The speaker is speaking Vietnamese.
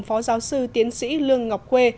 phó giáo sư tiến sĩ lương ngọc khuê